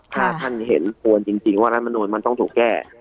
ถ้าท่านเห็นควรจริงว่ารัฐมนุนมันต้องถูกแก้